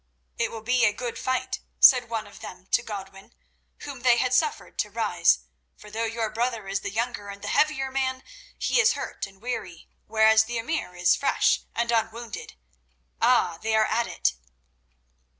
"It will be a good fight," said one of them to Godwin, whom they had suffered to rise, "for though your brother is the younger and the heavier man, he is hurt and weary, whereas the emir is fresh and unwounded. Ah! they are at it!"